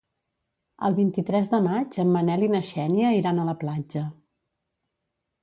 El vint-i-tres de maig en Manel i na Xènia iran a la platja.